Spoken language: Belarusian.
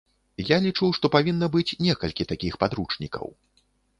Я лічу, што павінна быць некалькі такіх падручнікаў.